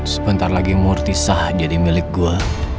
sebentar lagi murtisah jadi milik gue